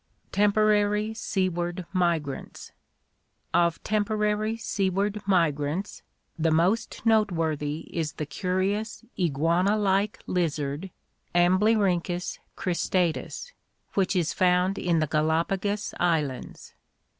Temporary Seaward Migrants. — Of temporary seaward mi grants, the most noteworthy is the curious iguana like lizard Amblyrhynchus cristatus (see Fig. 60) which is found in the Gala pagos Islands.